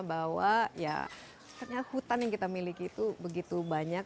bahwa ya hutan yang kita miliki itu begitu banyak